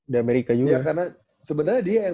di amerika juga karena sebenarnya dia yang